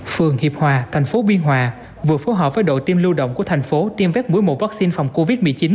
phường hiệp hòa thành phố biên hòa vừa phối hợp với đội tiêm lưu động của thành phố tiêm vét mũi một vaccine phòng covid một mươi chín